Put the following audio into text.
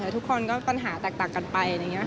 ทุกคนก็ปัญหาแตกต่างกันไป